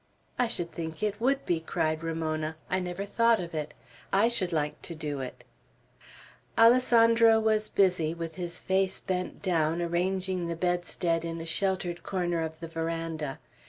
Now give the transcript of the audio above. "I should think it would be," cried Ramona. "I never thought of it. I should like to do it." Alessandro was busy, with his face bent down, arranging the bedstead in a sheltered corner of the veranda.